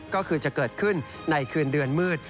ก็คือจะเกิดขึ้นในคืนเดือนมืด